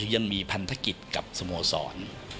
ยังมีพันธกิจกับสโมสร